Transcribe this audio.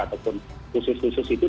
ataupun khusus khusus itu